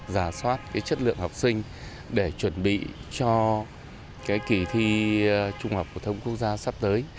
giả soát chất lượng học sinh để chuẩn bị cho kỳ thi trung học phổ thông quốc gia sắp tới